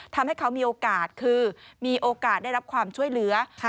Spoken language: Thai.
ทำให้เขามีโอกาสคือมีโอกาสได้รับความช่วยเหลือ